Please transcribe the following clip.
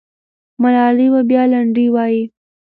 ملالۍ به بیا لنډۍ وایي.